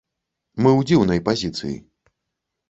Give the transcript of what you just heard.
Мы ў дзіўнай пазіцыі.